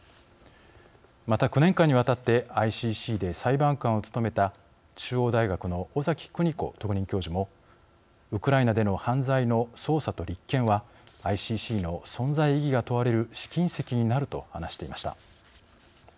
また９年間にわたってＩＣＣで裁判官を務めた中央大学の尾崎久仁子特任教授も「ウクライナでの犯罪の捜査と立件はＩＣＣの存在意義が問われる試金石になる」と話していました。